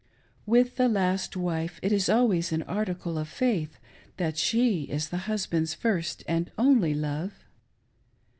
With the last wife, it is always an article of .faith that she is the husband's first and only love.